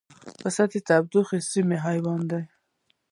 پسه د تودو سیمو حیوان دی.